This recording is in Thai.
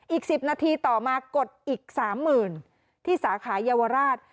อีก๑๐นาทีต่อมากดอีก๓๐๐๐ที่สาขาเยาวราช